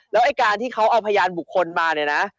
แล้วไอ้การที่เขาเอาพยานบุคคลมาเนี่ยนะ